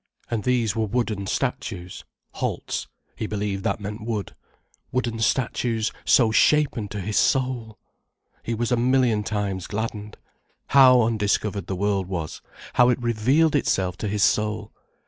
And these were wooden statues, "Holz"—he believed that meant wood. Wooden statues so shapen to his soul! He was a million times gladdened. How undiscovered the world was, how it revealed itself to his soul!